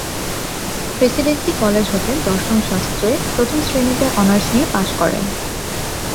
Presidency College হতে দর্শন শাস্ত্রে প্রথম শ্রেনীতে অনার্স নিয়ে পাশ করেন।